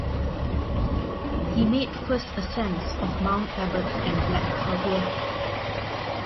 He made first ascents of Mount Abbot and Black Kaweah.